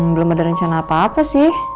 belum ada rencana apa apa sih